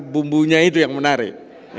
bumbunya itu yang menarik